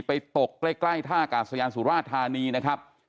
ตกใกล้ท่ากาศยานสุราธานีนะครับ